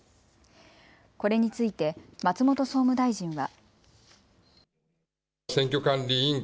これについて松本総務大臣は。